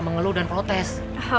mengeluh dan protes